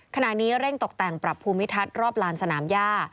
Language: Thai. ขณะนี้เร่งตกแต่งปรับภูมิทัศน์รอบลานสนามย่า